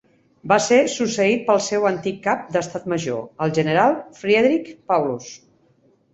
Va ser succeït pel seu antic cap d'estat major, el general Friedrich Paulus.